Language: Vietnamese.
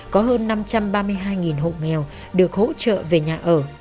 có hơn năm trăm ba mươi hai hộ nghèo được hỗ trợ về nhà ở